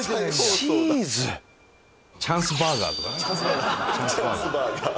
チャンスバーガー。